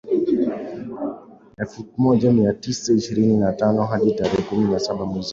elfu moja mia tisa ishirini na tano hadi tarehe kumi na saba mwezi wa